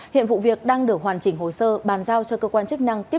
hiện vụ việc đang được hoàn chỉnh hồ sơ bàn giao cho cơ quan chức năng tiếp